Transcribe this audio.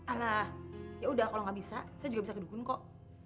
alah ya udah kalau gak bisa saya juga bisa gedugun kok